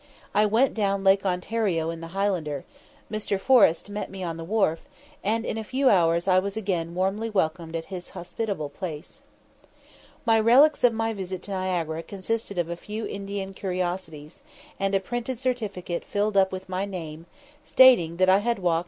I went down Lake Ontario in the Highlander; Mr. Forrest met me on the wharf, and in a few hours I was again warmly welcomed at his hospitable house. My relics of my visit to Niagara consisted of a few Indian curiosities, and a printed certificate filled up with my name, [Footnote: "Niagara Falls, C.